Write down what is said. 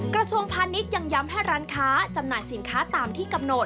กระทรวงพาณิชย์ยังย้ำให้ร้านค้าจำหน่ายสินค้าตามที่กำหนด